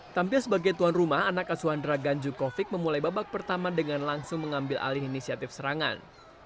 tampil sebagai tuan rumah anak asuhandra ganju kovic memulai babak pertama dengan langsung mengambil alih inisiatif serangan